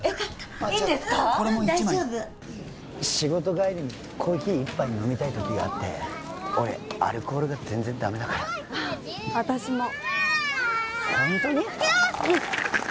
じゃあこれも１枚大丈夫仕事帰りにコーヒー１杯飲みたい時があって俺アルコールが全然ダメだから私もホントに？